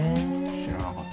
知らなかった。